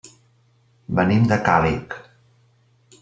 Venim de Càlig.